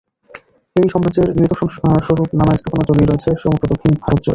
এই সাম্রাজ্যের নিদর্শন স্বরূপ নানা স্থাপত্য ছড়িয়ে রয়েছে সমগ্র দক্ষিণ ভারত জুড়ে।